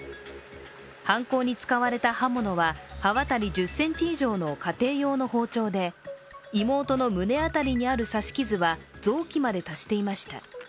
犯行に使われた刃物は刃わたり１０ｃｍ以上の家庭用の包丁で、妹の胸辺りにある刺し傷は臓器まで達していました。